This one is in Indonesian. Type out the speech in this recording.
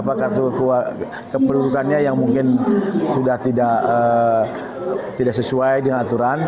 apa kartu keperudukannya yang mungkin sudah tidak sesuai dengan aturan